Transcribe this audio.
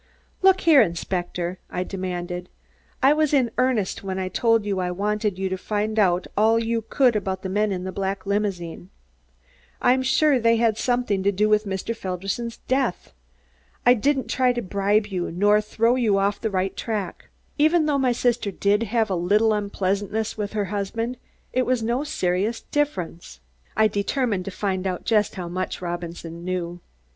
"Look here, Inspector!" I demanded, "I was in earnest when I told you I wanted you to find out all you could about the men in the black limousine. I'm sure they had something to do with Mr. Felderson's death. I didn't try to bribe you, nor throw you off the right track. Even though my sister did have a little unpleasantness with her husband, it was no serious difference." I determined to find out just how much Robinson knew.